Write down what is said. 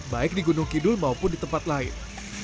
baik di gunung kidul maupun di tempat lain